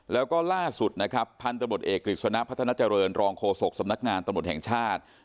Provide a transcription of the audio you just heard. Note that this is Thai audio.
แล้วก็ล่าสุดนะครับพันธบทเอกกฤษณะพัฒนาเจริญรองโฆษกสำนักงานตำรวจแห่งชาติ